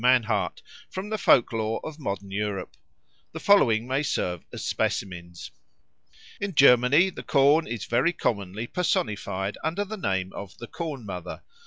Mannhardt from the folk lore of modern Europe. The following may serve as specimens. In Germany the corn is very commonly personified under the name of the Corn mother.